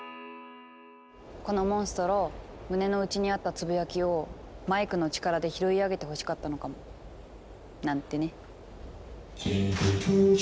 このモンストロ胸の内にあったつぶやきをマイクの力で拾い上げてほしかったのかも。なんてね。